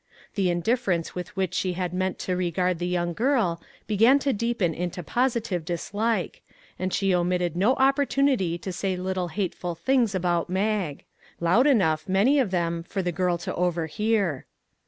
The indifference with which she had meant to re gard the young girl began to deepen into posi tive dislike, and she omitted no opportunity to say little hateful things about Mag; loud enough, many of them, for the girl to overhear.